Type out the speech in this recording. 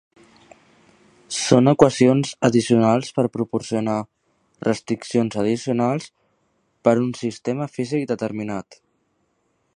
Són equacions addicionals per proporcionar restriccions addicionals per a un sistema físic determinat.